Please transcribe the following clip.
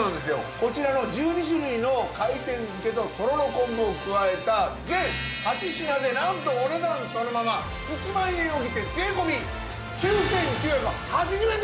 こちらの１２種類の海鮮漬ととろろ昆布を加えた全８品でなんとお値段そのまま１万円をきってえぇすごい。